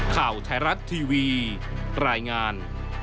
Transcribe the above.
ข่าวไทยรัฐทีวีรายงาน